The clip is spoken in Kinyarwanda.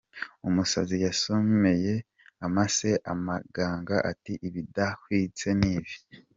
Umusazi yasomeye amase amaganga ati ibidahwitse n’ibi!